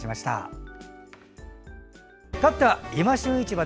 かわっては「いま旬市場」。